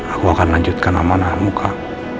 aku akan lanjutkan amanahmu kak